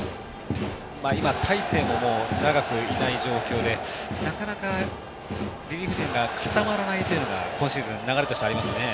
今、大勢も長くいない状況でなかなか、リリーフ陣が固まらないというのが今シーズン流れとしてありますね。